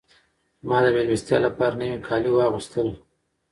ما د مېلمستیا لپاره نوي کالي واغوستل.